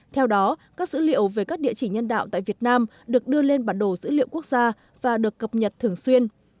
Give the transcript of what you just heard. theo đó các dữ liệu về các địa chỉ nhân đạo tại việt nam được đưa lên bản đồ dữ liệu quốc gia và được cập nhật thường xuyên